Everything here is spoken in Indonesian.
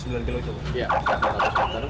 iya delapan ratus meter